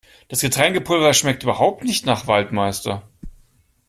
Das Getränkepulver schmeckt überhaupt nicht nach Waldmeister.